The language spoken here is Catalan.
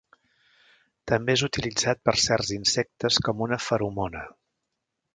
També és utilitzat per certs insectes com una feromona.